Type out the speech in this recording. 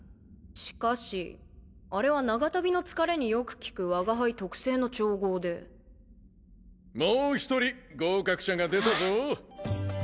しかしあれは長旅の疲れによく効く我が輩特製の調合でもう一人合格者が出たぞ